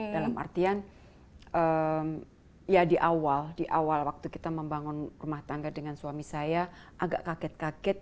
dalam artian ya di awal di awal waktu kita membangun rumah tangga dengan suami saya agak kaget kaget